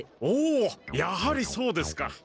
おおやはりそうですか！